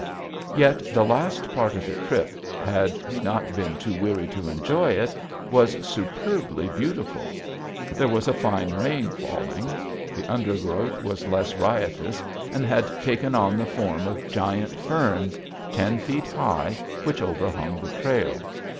Yet the last part of the trip, had we not been too weary to enjoy it, was superbly beautiful. There was a fine rain falling. The undergrowth was less riotous and had taken on the form of giant ferns, ten feet high, which overhung the trail.